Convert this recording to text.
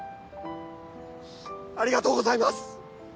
ありがとうございます